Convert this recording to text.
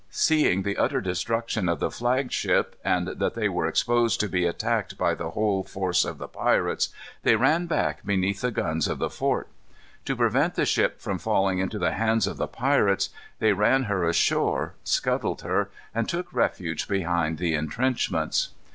Seeing the utter destruction of the flagship, and that they were exposed to be attacked by the whole force of the pirates, they ran back beneath the guns of the fort. To prevent the ship from falling into the hands of the pirates they ran her ashore, scuttled her, and took refuge behind the intrenchments.